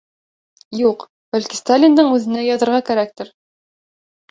Юҡ, бәлки Сталиндың үҙенә яҙырға кәрәктер.